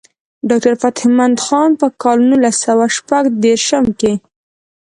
ډاکټر فتح مند خان پۀ کال نولس سوه شپږ دېرشم کښې